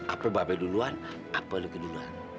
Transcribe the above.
apa mbak bebe duluan apa luki duluan